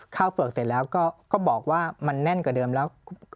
เฝือกเสร็จแล้วก็บอกว่ามันแน่นกว่าเดิมแล้ว